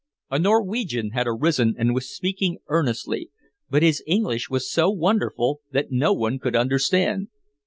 A Norwegian had arisen and was speaking earnestly, but his English was so wonderful that no one could understand.